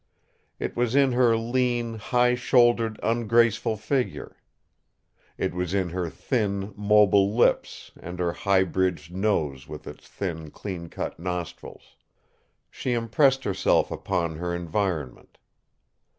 It was in her lean, high shouldered, ungraceful figure. It was in her thin, mobile lips and her high bridged nose with its thin, clean cut nostrils. She impressed herself upon her environment.